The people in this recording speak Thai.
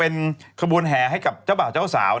โอ้ไหมเข้า